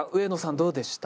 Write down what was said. どうでした？